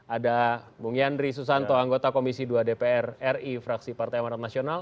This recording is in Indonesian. ada bung yandri susanto anggota komisi dua dpr ri fraksi partai amanat nasional